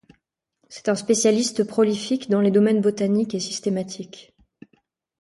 C'est un spécialiste prolifique dans les domaines botanique et systématique.